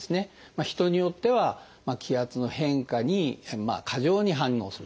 人によっては気圧の変化に過剰に反応する。